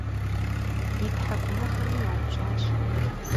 И тхьэкӏумэхэми еупщӏащ.